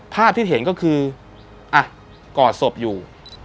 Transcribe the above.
ภาพที่เห็นก็คืออ่ะกอดศพอยู่